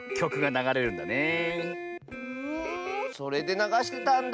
それでながしてたんだ。